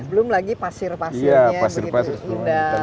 belum lagi pasir pasirnya begitu indah